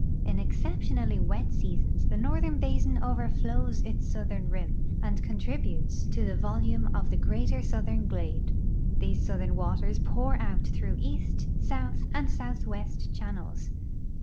In exceptionalh'^ wet seasons tlie northern basin overflows its southern rim, and contributes to the volume of the greater southern glade. These southern waters pour out through east, south, and southwest channels.